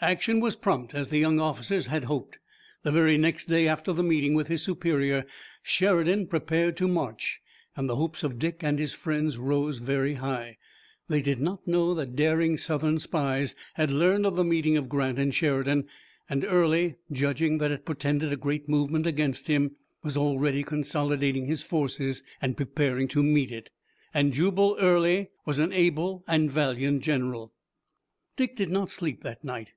Action was prompt as the young officers had hoped. The very next day after the meeting with his superior, Sheridan prepared to march, and the hopes of Dick and his friends rose very high. They did not know that daring Southern spies had learned of the meeting of Grant and Sheridan, and Early, judging that it portended a great movement against him, was already consolidating his forces and preparing to meet it. And Jubal Early was an able and valiant general. Dick did not sleep that night.